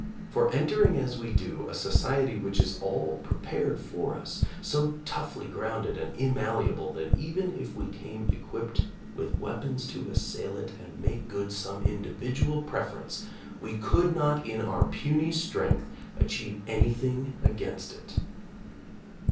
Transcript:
For entering as we do a society which is all prepared for us, so toughly grounded and immalleable that even if we came equipped with weapons to assail it and make good some individual preference, we could not in our puny strength achieve anything against it.